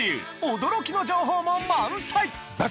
驚きの情報も満載！